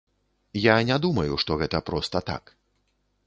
Я не думаю, што гэта проста так.